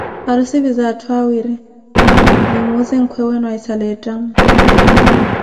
Harussi pizaa atthu awiri, mwimuuze nkwewenu ahisala eettamo.